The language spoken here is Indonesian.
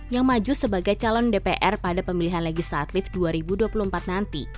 yang maju sebagai calon dpr pada pemilihan legislatif dua ribu dua puluh empat nanti